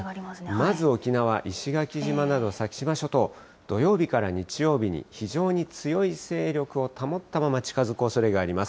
まず沖縄、石垣島など先島諸島、土曜日から日曜日に非常に強い勢力を保ったまま近づくおそれがあります。